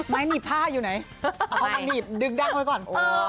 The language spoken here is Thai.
ไม้หนีบผ้าอยู่ไหนเอาเข้ามาหนีบดึกดั้งไว้ก่อน